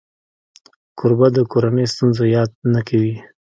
کوربه د کورنۍ ستونزو یاد نه کوي.